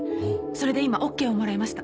それで今オッケーをもらいました。